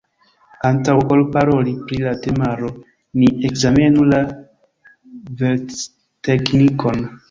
Antaŭ ol paroli pri la temaro, ni ekzamenu la versteknikon.